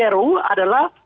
tiga ru adalah